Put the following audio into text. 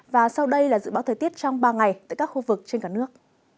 và sau đây là dự báo thời tiết trong ba ngày tại các khu vực trên cả nước